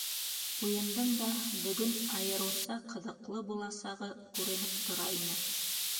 Уйындың да бөгөн айырыуса ҡыҙыҡлы буласағы күренеп тора ине.